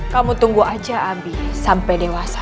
kamu tunggu aja abi sampai dewasa